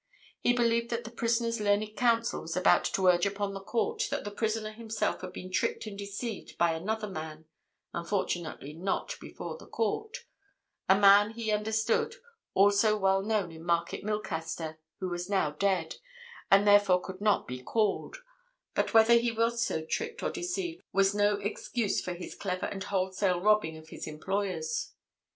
He believed that the prisoner's learned counsel was about to urge upon the Court that the prisoner himself had been tricked and deceived by another man, unfortunately not before the Court—a man, he understood, also well known in Market Milcaster, who was now dead, and therefore could not be called, but whether he was so tricked or deceived was no excuse for his clever and wholesale robbing of his employers.